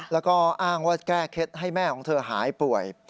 แล้วก็อ้างว่าแก้เคล็ดให้แม่ของเธอหายป่วย